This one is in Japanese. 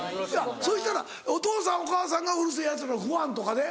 そしたらお父さんお母さんが『うる星やつら』のファンとかで？